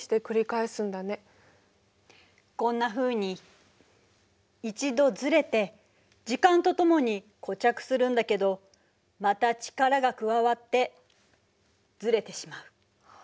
こんなふうに一度ずれて時間とともに固着するんだけどまた力が加わってずれてしまう。